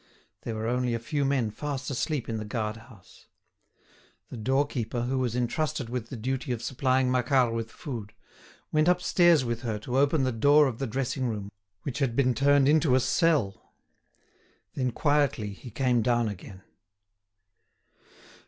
There were only a few men fast asleep in the guard house. The doorkeeper, who was entrusted with the duty of supplying Macquart with food, went upstairs with her to open the door of the dressing room, which had been turned into a cell. Then quietly he came down again.